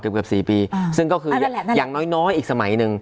เกือบเกือบสี่ปีอ่าซึ่งก็คือนั่นแหละนั่นแหละอย่างน้อยน้อยอีกสมัยหนึ่ง